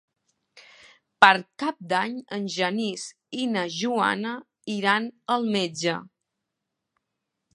Per Cap d'Any en Genís i na Joana iran al metge.